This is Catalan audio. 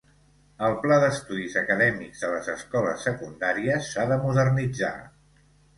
El pla d'estudis acadèmics de les escoles secundàries s'ha de modernitzar.